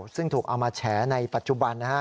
ซึ่งถูกเอามาแฉในปัจจุบัน